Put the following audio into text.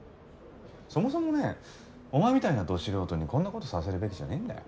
そもそもねお前みたいなど素人にこんなことさせるべきじゃねえんだよ。